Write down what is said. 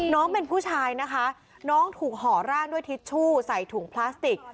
น้องเป็นผู้ชายนะคะน้องถูกห่อร่างด้วยทิชชู่ใส่ถุงพลาสติก